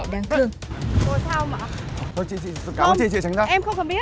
không còn nữa